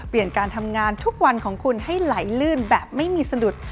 เปลี่ยนการทำงานทุกวันของคุณให้ไหลลื่นแบบไม่มีสนุทร